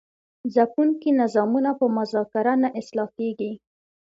ځپونکي نظامونه په مذاکره نه اصلاح کیږي.